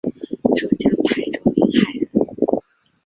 浙江台州临海人。